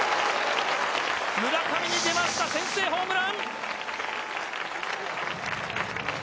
村上に出ました、先制ホームラン！